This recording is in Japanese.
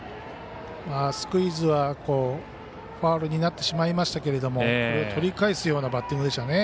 スクイズはファウルになってしまいましたけど取り返すようなバッティングでした。